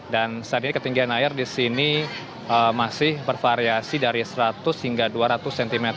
dan saat ini ketinggian air di sini masih bervariasi dari seratus hingga dua ratus cm